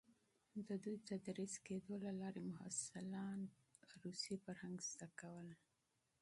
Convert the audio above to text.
د دوی تدریس کېدو له لارې محصلان روسي فرهنګ زده کول.